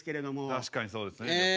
確かにそうですね旅行は。